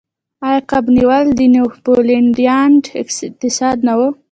آیا کب نیول د نیوفونډلینډ اقتصاد نه و؟